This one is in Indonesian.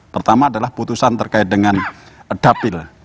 pertama adalah putusan terkait dengan dapil